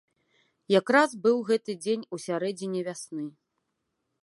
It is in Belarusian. Якраз быў гэты дзень у сярэдзіне вясны.